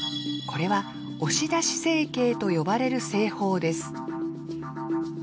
これは押出成形と呼ばれる製法です。